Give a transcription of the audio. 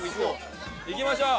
行きましょう！